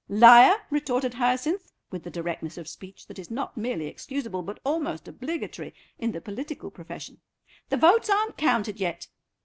"Liar!" retorted Hyacinth, with the directness of speech that is not merely excusable, but almost obligatory, in the political profession; "the votes aren't counted yet.